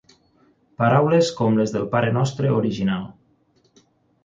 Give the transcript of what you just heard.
Paraules com les del Parenostre original.